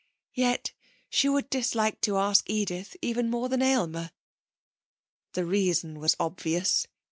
Yet she would dislike to ask Edith even more than Aylmer. The reason was obvious.